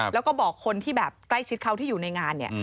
แล้วก็บอกคนที่แบบใกล้ชิดเขาที่อยู่ในงานเนี่ย